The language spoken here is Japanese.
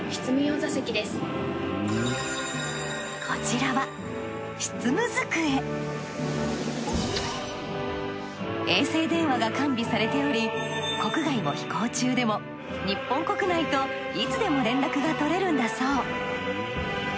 こちらは衛星電話が完備されており国外を飛行中でも日本国内といつでも連絡が取れるんだそう。